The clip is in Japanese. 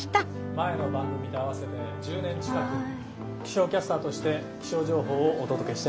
前の番組と合わせて１０年近く気象キャスターとして気象情報をお届けしてまいりました。